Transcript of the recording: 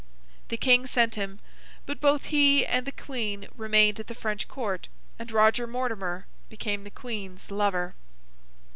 The King sent him: but, both he and the Queen remained at the French Court, and Roger Mortimer became the Queen's lover.